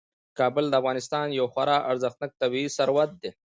کابل د افغانستان یو خورا ارزښتناک طبعي ثروت دی.